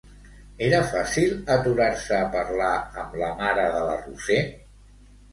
Era fàcil aturar-se a parlar amb la mare de la Roser?